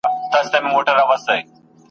دا پردۍ ښځي چي وینمه شرمېږم !.